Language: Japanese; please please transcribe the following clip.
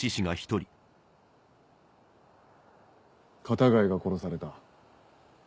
片貝が殺された。